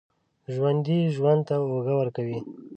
ژوندي ژوند ته اوږه ورکوي